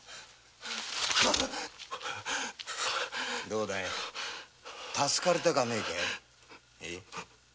どうだい助かりたかねぇかいえ？